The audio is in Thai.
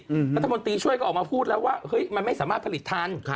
รัฐมนตรีช่วยก็ออกมาพูดแล้วว่าเฮ้ยมันไม่สามารถผลิตทัน